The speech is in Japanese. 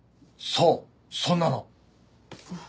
そうそんなの。